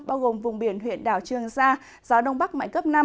bao gồm vùng biển huyện đảo trường sa gió đông bắc mạnh cấp năm